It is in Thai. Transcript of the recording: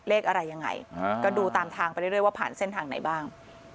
เลขอะไรยังไงก็ดูตามทางไปเรื่อยว่าผ่านเส้นทางไหนบ้าง